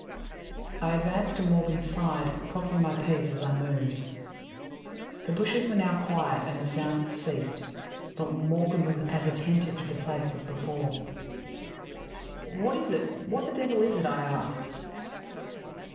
I advanced to Morgan's side, cocking my piece as I moved. "The bushes were now quiet, and the sounds had ceased, but Morgan was as attentive to the place as before. "'What is it? What the devil is it?' I asked.